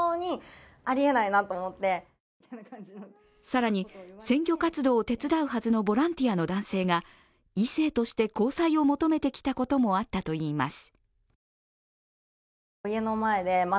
更に、選挙活動を手伝うはずのボランティアの男性が異性として交際を求めてきたこともあったといいます。